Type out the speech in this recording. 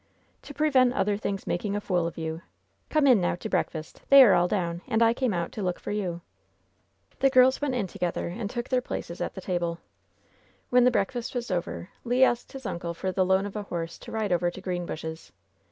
"To prevent other things making a fool of you. Come in, now, to breakfast. They are all down, and I came out to look for you.'* The girls went in together, and took their places at the table. When the breakfast was over, Le asked his uncle for the loan of a horse to ride over to Greenbushes.